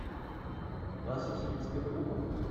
Ɣas ad sen-tsiwleḍ?